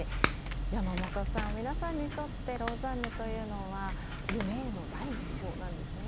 山本さん皆さんにとってローザンヌというのは夢への第一歩なんですね。